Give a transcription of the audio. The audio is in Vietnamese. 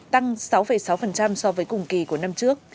tăng sáu sáu so với cùng kỳ của năm trước